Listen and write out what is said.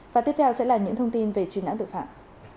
và tiếp theo sẽ là những thông tin về truy nãn tội phạm